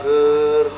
nggak mau neng